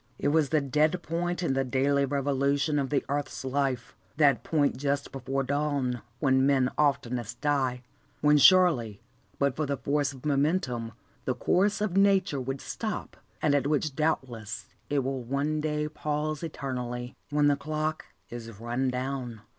It was the dead point in the daily revolution of the earth's life, that point just before dawn, when men oftenest die; when surely, but for the force of momentum, the course of nature would stop, and at which doubtless it will one day pause eternally, when the clock is run down.